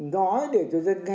nói để cho dân nghe